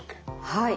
はい。